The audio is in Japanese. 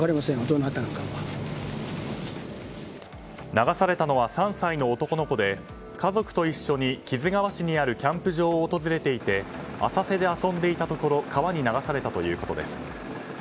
流されたのは３歳の男の子で家族と一緒に木津川市にあるキャンプ場を訪れていて浅瀬で遊んでいたところ川に流されたということです。